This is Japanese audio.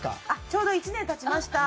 ちょうど１年経ちました。